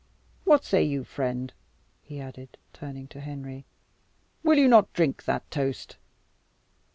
What say you, friend?" he added, turning to Henry. "Will you not drink that toast?"